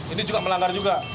ini juga melanggar juga